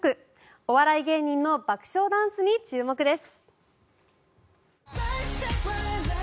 お笑い芸人の爆笑ダンスに注目です。